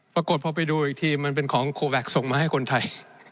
ปรากฏพอไปดูอีกทีมันเป็นของโคแวคส่งมาให้คนไทย